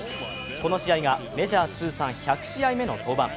この試合がメジャー通算１００試合目の登板。